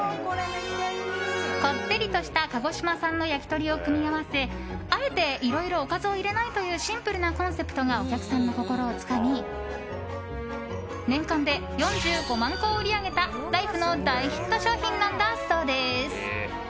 こってりとした鹿児島産の焼き鳥を組み合わせあえて、いろいろおかずを入れないというシンプルなコンセプトがお客さんの心をつかみ年間で４５万個を売り上げたライフの大ヒット商品なんだそうです。